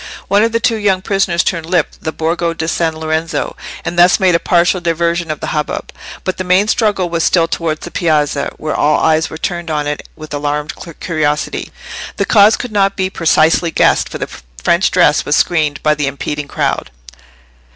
One of the two younger prisoners turned up the Borgo di San Lorenzo, and thus made a partial diversion of the hubbub; but the main struggle was still towards the piazza, where all eyes were turned on it with alarmed curiosity. The cause could not be precisely guessed, for the French dress was screened by the impeding crowd.